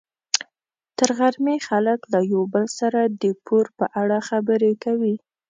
تر غرمې خلک له یو بل سره د پور په اړه خبرې کوي.